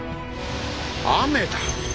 雨だ！